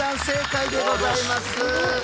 正解でございます。